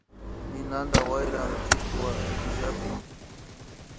Ninanta wayran sitwa killapi